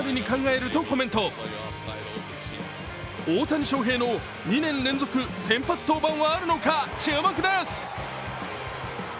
大谷翔平の２年連続先発登板はあるのか、注目です。